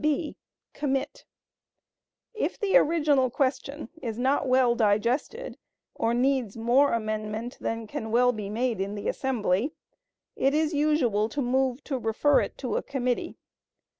(b) Commit. If the original question is not well digested, or needs more amendment than can well be made in the assembly, it is usual to move "to refer it to a committee."